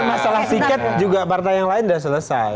masalah tiket juga partai yang lain sudah selesai